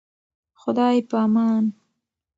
خداي پامان.